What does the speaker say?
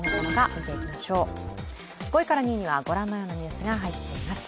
５位から２位にはご覧のようなニュースが入っています。